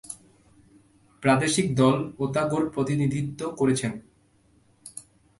প্রাদেশিক দল ওতাগোর প্রতিনিধিত্ব করেছেন।